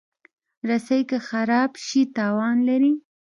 رسۍ که خراب شي، تاوان لري.